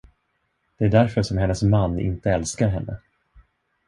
Det är därför som hennes man inte älskar henne.